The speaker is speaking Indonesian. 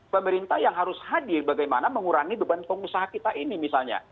pemerintah yang harus hadir bagaimana mengurangi beban pengusaha kita ini misalnya